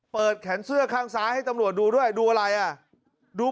แขนเสื้อข้างซ้ายให้ตำรวจดูด้วยดูอะไรอ่ะดู